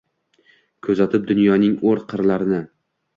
Kuzatib dunyoning o’r- qirlarini.